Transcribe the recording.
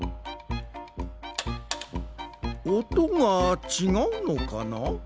おとがちがうのかな？